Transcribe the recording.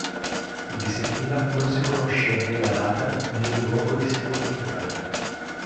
Di Sibilla non si conosce né la data né il luogo di sepoltura.